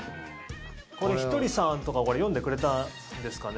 ひとりさんとかこれ読んでくれたんですかね？